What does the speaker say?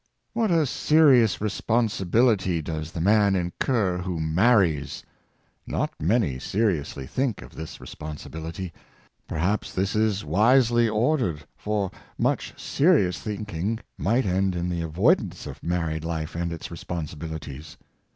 What a serious responsibility does the man incur who marries! Not many seriously think of this re sponsibility. Perhaps this is wisely ordered, for much serious thinking might end in the avoidance of married life and its responsibilities.